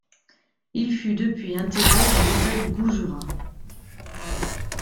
Il fut depuis intégré dans l'État du Goujerat.